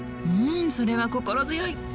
うんそれは心強い！